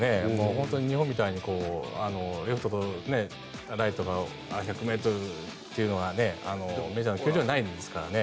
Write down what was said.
本当に日本みたいにレフトとライトが１００ｍというのがメジャーの球場はないですからね。